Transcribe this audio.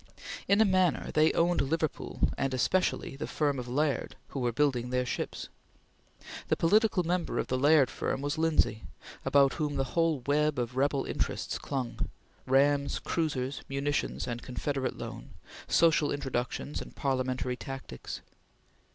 In a manner they owned Liverpool and especially the firm of Laird who were building their ships. The political member of the Laird firm was Lindsay, about whom the whole web of rebel interests clung rams, cruisers, munitions, and Confederate loan; social introductions and parliamentary tactics.